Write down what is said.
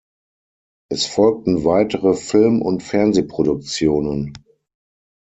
Es folgten weitere Film- und Fernsehproduktionen.